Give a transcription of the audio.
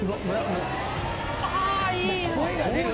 もう声が出る！